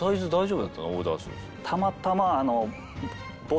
たまたま。